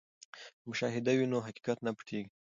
که مشاهده وي نو حقیقت نه پټیږي.